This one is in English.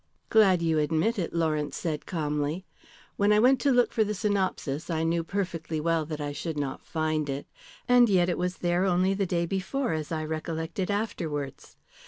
"Glad you admit it," Lawrence said calmly. "When I went to look for the synopsis I knew perfectly well that I should not find it. And yet it was there only the day before, as I recollected afterwards.